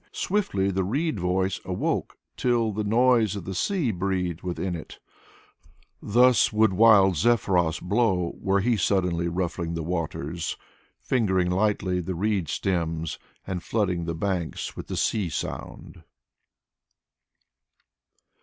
Swiftly the reed voice awoke, till the noise of the sea breathed within it; Thus would wild Zephyros blow, were he suddenly ruffling the waters. Fingering lightly the reed stems and flooding the banks with the sea sound.